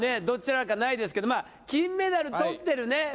どちらかないですけどまあ金メダルとってるね